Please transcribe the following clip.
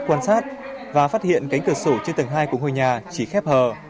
quan sát và phát hiện cánh cửa sổ trên tầng hai của ngôi nhà chỉ khép hờ